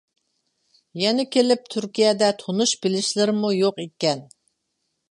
يەنە كېلىپ تۈركىيەدە تونۇش بىلىشلىرىمۇ يوق ئىكەن.